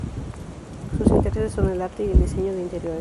Sus intereses son el arte y el diseño de interiores.